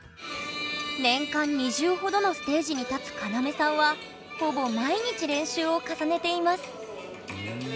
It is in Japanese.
年間２０ほどのステージに立つカナメさんはほぼ毎日練習を重ねています